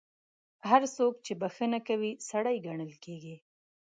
هر څوک چې بخښنه کوي، سړی ګڼل کیږي.